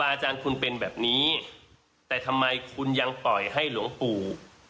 อาจารย์คุณเป็นแบบนี้แต่ทำไมคุณยังปล่อยให้หลวงปู่